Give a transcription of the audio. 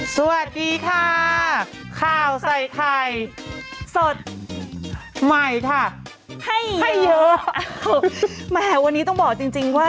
สวัสดีค่ะข้าวใส่ไข่สดใหม่ค่ะให้ให้เยอะแหมวันนี้ต้องบอกจริงจริงว่า